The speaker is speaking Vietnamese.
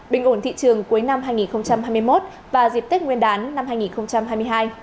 bình ổn thị trường cuối năm hai nghìn hai mươi một và dịp tết nguyên đán năm hai nghìn hai mươi hai